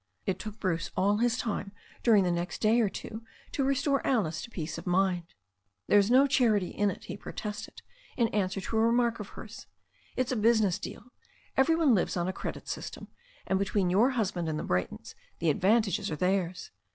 It took Bruce all his time during the next day or two to restore Alice to peace of mind. "There's no charity in it," he protested, in answer to a remark of hers. "It's a business deal. Every one lives on a credit system. And between your husband and the Bra)rtons the advantages are theirs.